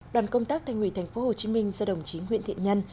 đoàn công tác thành quỳ thành phố hồ chí minh do đồng chí nguyễn thị nhân